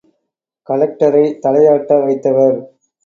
கலெக்டரை தலையாட்ட வைத்தவர்.